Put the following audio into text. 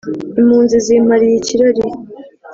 impunzi zimpariye ikirari